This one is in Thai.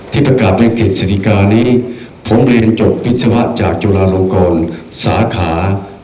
ที่ประกาศบริกษ์เศรษฐการณ์นี้ผมเรียนจบวิทยาวะจากจุฬารงกรสาขา